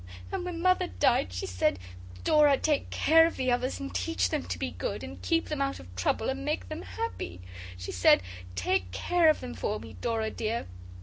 And when Mother died she said, "Dora, take care of the others, and teach them to be good, and keep them out of trouble and make them happy." She said, "Take care of them for me, Dora dear."